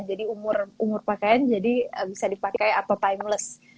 jadi umur pakaian bisa dipakai atau time out